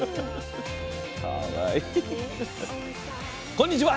こんにちは。